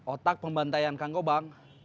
otak pembantaian kang gobang